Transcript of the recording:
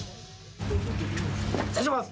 失礼します。